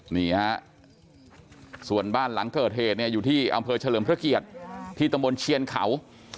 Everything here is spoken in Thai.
นี่ฮะส่วนบ้านหลังเกิดเหตุเนี่ยอยู่ที่อำเภอเฉลิมพระเกียรติที่ตำบลเชียนเขา